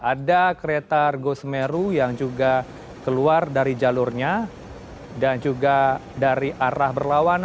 ada kereta argo semeru yang juga keluar dari jalurnya dan juga dari arah berlawan